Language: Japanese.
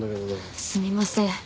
すみません。